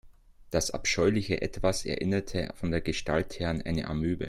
Das abscheuliche Etwas erinnerte von der Gestalt her an eine Amöbe.